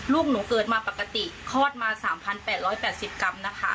ลูกหนูเกิดมาปกติคลอดมา๓๘๘๐กรัมนะคะ